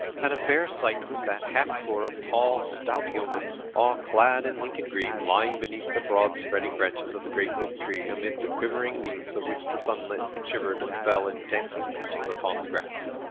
And a fair sight was that halfscore of tall, stout yeomen, all clad in Lincoln green, lying beneath the broad spreading branches of the great oak tree, amid the quivering leaves of which the sunlight shivered and fell in dancing patches upon the grass.